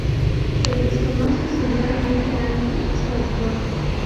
Se desconoce si realmente Ani es su autor.